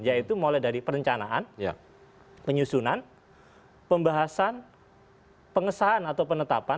yaitu mulai dari perencanaan penyusunan pembahasan pengesahan atau penetapan